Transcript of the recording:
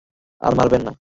আর মারবেন না।